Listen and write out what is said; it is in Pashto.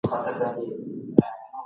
د دغي نامې مانا څه ده؟